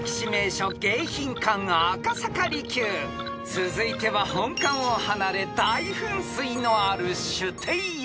［続いては本館を離れ大噴水のある主庭へ］